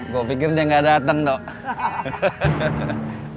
gue pikir dia gak dateng dok